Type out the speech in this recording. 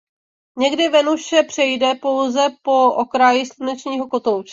Někdy Venuše přejde pouze po okraji slunečního kotouče.